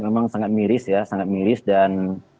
memang sangat miris ya sangat miris dan